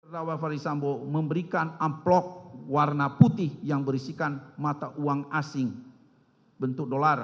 rawa ferdisambo memberikan amplok warna putih yang berisikan mata uang asing bentuk dolar